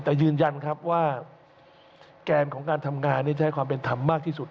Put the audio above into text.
แต่ยืนยันครับว่าแกนของการทำงานจะให้ความเป็นธรรมมากที่สุด